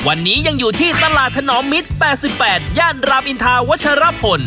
วันนี้ยังอยู่ที่ตลาดถนอมมิตร๘๘ย่านรามอินทาวัชรพล